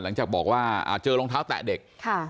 หลังจากบอกว่าเจอรองเท้าแตะเด็ก